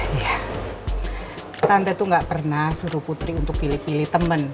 iya tante tuh gak pernah suruh putri untuk pilih pilih temen